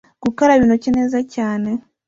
Gukaraba intoki neza cyane